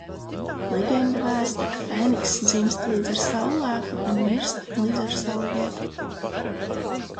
Leģenda vēsta, ka fēnikss dzimst līdz ar saullēktu un mirst līdz ar saulrietu.